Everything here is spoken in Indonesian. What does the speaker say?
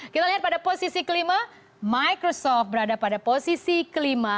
kita lihat pada posisi ke lima microsoft berada pada posisi ke lima